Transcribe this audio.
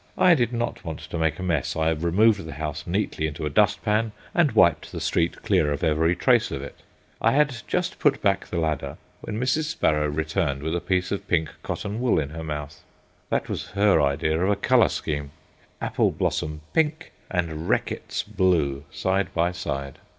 I did not want to make a mess. I removed the house neatly into a dust pan, and wiped the street clear of every trace of it. I had just put back the ladder when Mrs. Sparrow returned with a piece of pink cotton wool in her mouth. That was her idea of a colour scheme: apple blossom pink and Reckitt's blue side by side.